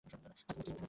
আর তোমার কী হবে?